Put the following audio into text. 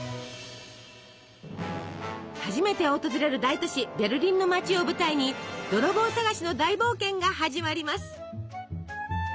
初めて訪れる大都市ベルリンの街を舞台に泥棒捜しの大冒険が始まります。